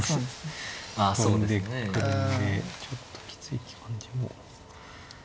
跳んでくるんでちょっときつい感じも。